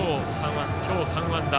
今日、３安打。